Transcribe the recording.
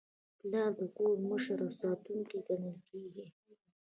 پلار د کور مشر او ساتونکی ګڼل کېږي.